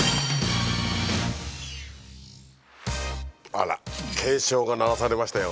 あら警鐘が鳴らされましたよ